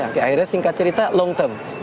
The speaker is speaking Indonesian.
oke akhirnya singkat cerita long term